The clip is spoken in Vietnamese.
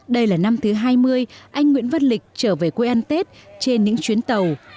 đây là năm thứ hai mươi anh nguyễn văn lịch trở về quê ăn tết trên những chuyến tàu